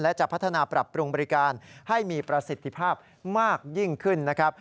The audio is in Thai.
และจะพัฒนาปรับปรุงบริการให้มีประสิทธิภาพมากยิ่งขึ้นนะครับ